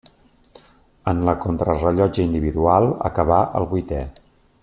En la contrarellotge individual acabà el vuitè.